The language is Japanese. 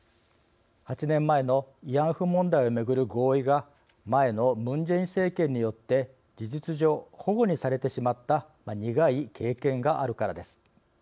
８年前の慰安婦問題を巡る合意が前のムン・ジェイン政権によって事実上、ほごにされてしまった苦い経験があるからです。